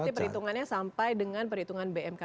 berarti perhitungannya sampai dengan perhitungan bmkg